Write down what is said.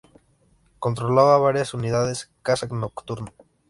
Controlaba varias unidades Caza Nocturno